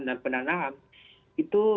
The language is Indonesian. dan penanaman itu